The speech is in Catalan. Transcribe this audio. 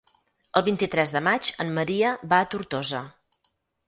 El vint-i-tres de maig en Maria va a Tortosa.